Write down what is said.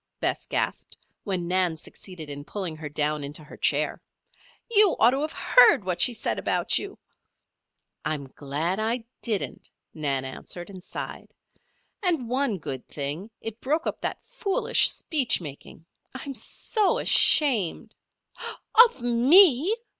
Bess gasped, when Nan succeeded in pulling her down into her chair. "You ought to have heard what she said about you " "I'm glad I didn't," Nan answered and sighed. "And one good thing it broke up that foolish speech making. I'm so ashamed " "Of me!"